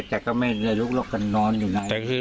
แต่ก็ไม่ได้ลุกลกกันนอนอยู่ไหน